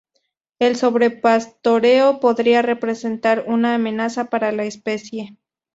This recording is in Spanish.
El sobrepastoreo podría representar una amenaza para la especie.